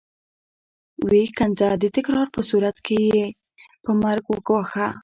ويې ښکنځه د تکرار په صورت کې يې په مرګ وګواښه.